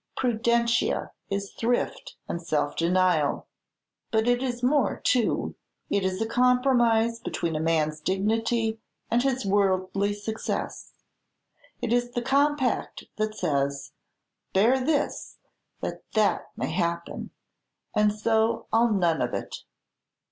Prudentia is thrift and self denial; but it is more too, it is a compromise between a man's dignity and his worldly success it is the compact that says, Bear this that that may happen; and so I 'll none of it."